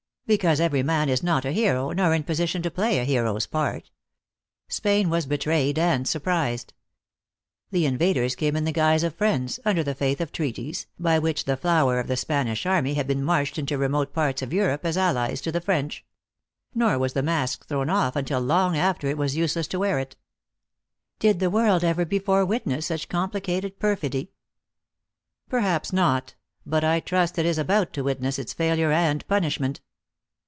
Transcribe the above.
" Because every man is not a hero, nor in a posi tion to play a hero s part. Spain was betrayed and surprised. The invaders came in the guise of friends, under the faith of treaties, by which the flower of the Spanish army had been marched into remote parts of Europe as allies to the French ; nor was the mask thrown off until long after it was useless to wear it." " Did the world ever before witness such complica ted perfidy ?"" Perhaps not. But I trust it is about to witness its failure and punishment."